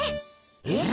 えっ？